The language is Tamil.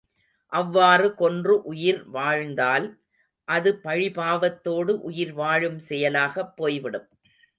அவ்வாறு கொன்று உயிர் வாழ்ந்தால் அது பழிபாவத்தோடு உயிர் வாழும் செயலாகப் போய்விடும்.